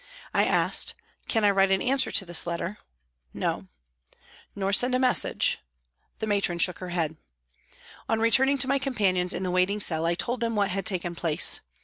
I asked, " Can I write an answer to this letter ?" "No." " Nor send a message ?" The Matron shook her head. On returning to my companions in the waiting cell I told them what had taken place.